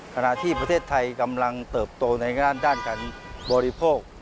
ขณะที่ประเทศไทยกำลังเติบโตในด้านการบริโภค